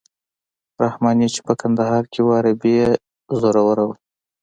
رحماني چې په کندهار کې وو عربي یې زوروره وه.